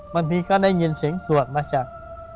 บางทีก็ได้ยินเสียงสวดมาจาก